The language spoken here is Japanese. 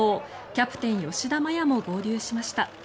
キャプテン、吉田麻也も合流しました。